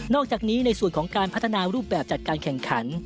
อกจากนี้ในส่วนของการพัฒนารูปแบบจัดการแข่งขัน